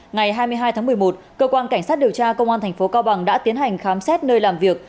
ngày hai mươi hai tháng một mươi một cơ quan cảnh sát điều tra công an thành phố cao bằng đã tiến hành khám xét nơi làm việc